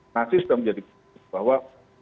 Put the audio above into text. nasi sudah menjadi bahwa